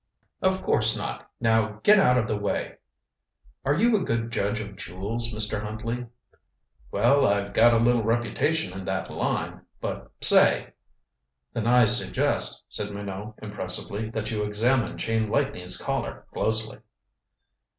"Of course not. Now, get out of the way " "Are you a good judge of jewels, Mr. Huntley?" "Well, I've got a little reputation in that line. But say " "Then I suggest," said Minot impressively, "that you examine Chain Lightning's Collar closely."